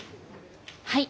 はい。